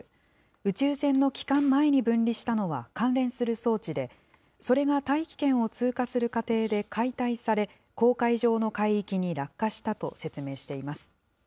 宇宙船の帰還前に分離したのは関連する装置で、それが大気圏を通過する過程で解体され、公海上の海域に落下したと説明しています。